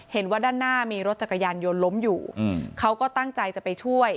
เห็นว่าด้านหน้ามีรถจักรยานยนต์ล้มอยู่เขาก็ตั้งใจจะไปช่วย